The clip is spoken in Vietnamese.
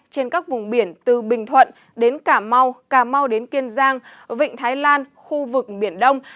trên các vùng biển từ bình thuận đến cà mau cà mau đến kiên giang vịnh thái lan khu vực biển đông